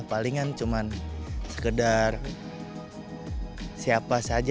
palingan cuma sekedar siapa saja